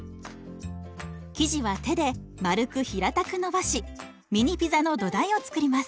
生地は手で丸く平たくのばしミニピザの土台を作ります。